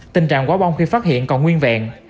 tình trạng quả bom khi phát hiện còn nguyên vẹn